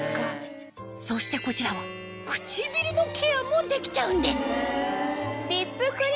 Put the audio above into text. そしてこちらは唇のケアもできちゃうんです